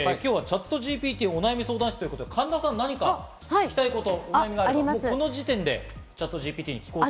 今日は、ＣｈａｔＧＰＴお悩み相談室ということで神田さん、何か聞きたいこと。